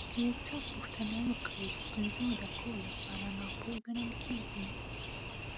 که یو څوک پوښتنه وکړي د پنځو دقیقو لپاره ناپوه ګڼل کېږي.